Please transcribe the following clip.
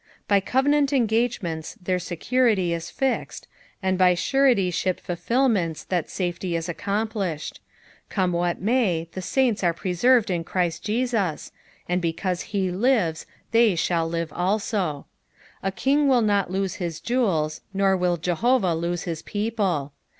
B; covenant engagements their aecurity is fixed, and by suretyahip fulfilments that safety is accomplished ; come what may, the saints are pre aerved in Christ Jesus, and because he lives, they shall live also. A lung will not lose his jewels, nor will Jehovah lose his people.